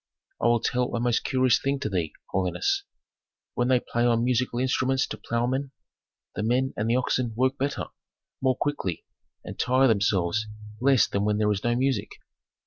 "I will tell a most curious thing to thee, holiness: When they play on musical instruments to ploughmen, the men and the oxen work better, more quickly, and tire themselves less than when there is no music.